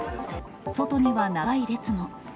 外には長い列も。